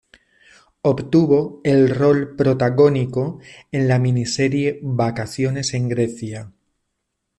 Obtuvo el rol protagónico en la miniserie Vacaciones en Grecia.